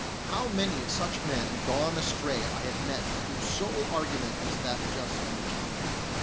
How many of such men gone astray I have met whose sole argument was that just mentioned.